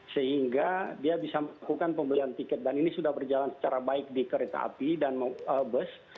sehingga dia bisa melakukan pembelian tiket dan ini sudah berjalan secara baik di kereta api dan bus